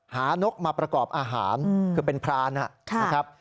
นกมาประกอบอาหารคือเป็นพรานนะครับ